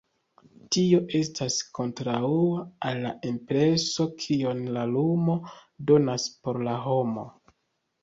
Tio estas kontraŭa al la impreso kion la lumo donas por la homo.